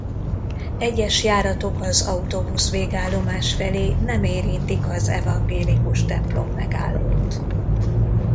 Egyes járatok az Autóbusz-végállomás felé nem érintik az Evangélikus templom megállót.